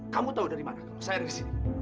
kamu tahu dari mana kalau saya dari sini